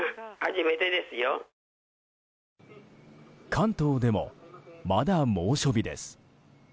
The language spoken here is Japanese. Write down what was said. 関東でも、まだ猛暑日です。